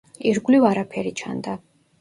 ირგვლივ არაფერი ჩანდა.